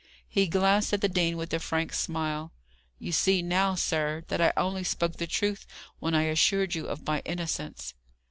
He glanced at the dean with a frank smile. "You see now, sir, that I only spoke the truth when I assured you of my innocence."